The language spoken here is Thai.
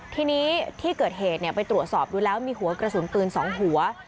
ทีนี้ที่เกิดเหตุไปตรวจสอบดูแล้วมีหัวกระสุนปืน๒หัว